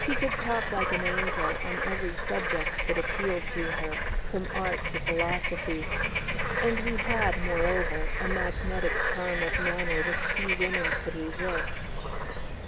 He could talk "like an angel" on every subject that appealed to her, from art to philosophy; and he had, moreover, a magnetic charm of manner which few women could resist.